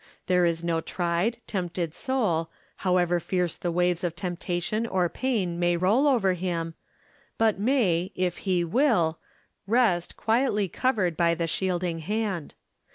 There is no tried, tempted soul, however fierce the waves of temptation or pain may roll over him, but may, if he will, rest quietly covered by the shielding hand.